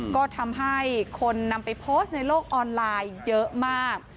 ก็ทำให้คนนำไปโพสต์ในโลกออนไลน์เยอะมาก